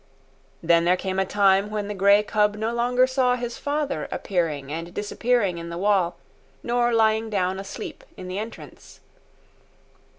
Then there came a time when the grey cub no longer saw his father appearing and disappearing in the wall nor lying down asleep in the entrance.